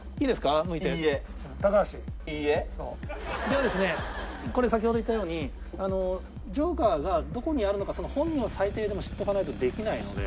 ではですねこれ先ほど言ったようにＪＯＫＥＲがどこにあるのか本人は最低でも知っておかないとできないので。